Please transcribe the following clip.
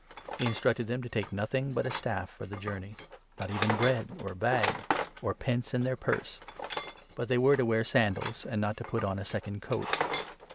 He 8 instructed them to take nothing but a staff for the journey — not even bread, or a bag, or pence in their purse ; but they 9 were to wear sandals, and not to put on a second coat.